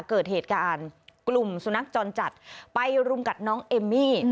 เกิดเหตุการณ์กลุ่มสุนัขจรจัดไปรุมกัดน้องเอมมี่